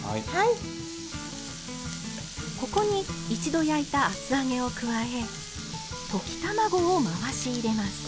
ここに一度焼いた厚揚げを加え溶き卵を回し入れます。